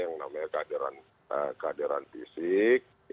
yang namanya kehadiran fisik